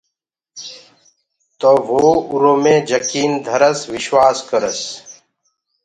تو وو اُرو مي جڪيٚن ڌرس وشواس ڪرس۔